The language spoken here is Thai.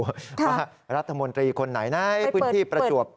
ว่ารัฐมนตรีคนไหนนะพื้นที่ประจวบ